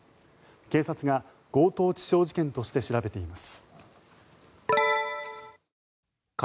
警察が強盗致傷事件として調べています。